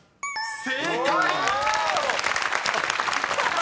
［正解！］